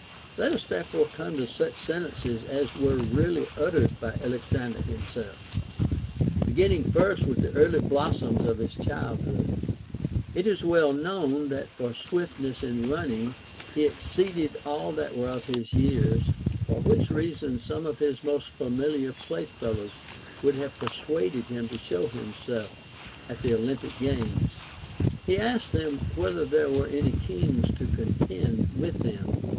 Let us therefore come to such sentences as were really uttered by Alexander him self, beginning first with the early blossoms of his childhood. It is well known that for swiftness in running he ex ceeded all that were of his years ; for Avhich reason some of his most familiar play fellows would have persuaded him to show himself at the Olympic games. He asked them whether there were any kings to contend with him.